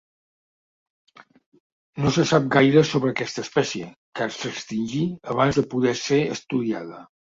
No se sap gaire més sobre aquesta espècie, car s'extingí abans de poder ser estudiada.